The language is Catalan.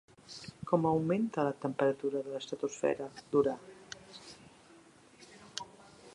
Com augmenta la temperatura de l'estratosfera d'Urà?